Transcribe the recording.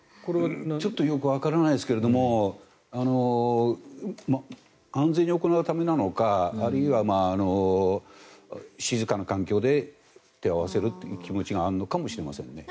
ちょっとよくわからないですけども安全に行うためなのかあるいは静かな環境で手を合わせるという気持ちがあるのかもしれないですね。